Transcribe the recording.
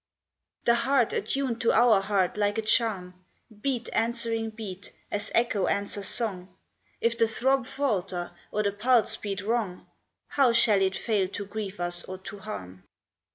The heart attuned to our heart like a charm, Beat answering beat, as echo answers song, If the throb falter, or the pulse beat wrong, How shall it fail to grieve us or to harm